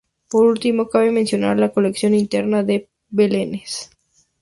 Por último, cabe mencionar la colección internacional de belenes.